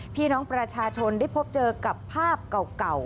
พี่น้องประชาชนได้พบเจอกับภาพเก่า